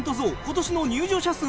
今年の入場者数は？